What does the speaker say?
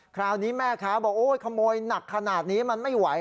คราวนี้แม่ค้าบอกโอ้ยขโมยหนักขนาดนี้มันไม่ไหว